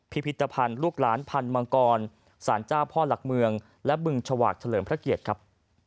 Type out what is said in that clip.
พิพิธภัณฑ์ลูกหลานพันธ์มังกรสารเจ้าพ่อหลักเมืองและบึงฉวากเฉลิมพระเกียรติครับ